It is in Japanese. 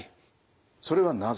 それはなぜ？